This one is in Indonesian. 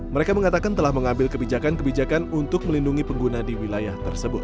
mereka mengatakan telah mengambil kebijakan kebijakan untuk melindungi pengguna di wilayah tersebut